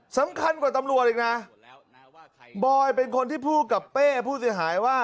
สำคัญกว่าตำรวจอีกนะบอยเป็นคนที่พูดกับเป้ผู้เสียหายว่า